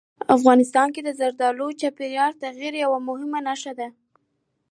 افغانستان کې زردالو د چاپېریال د تغیر یوه مهمه نښه ده.